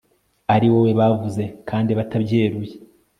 ari wowe bavuze kandi batabyeruye